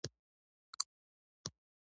هغه د مور غږ په بشپړ ډول واورېد